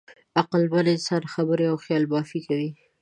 عقلمن انسان خبرې او خیالبافي کوي.